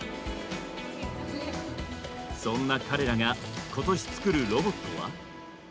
そんな彼らが今年作るロボットは？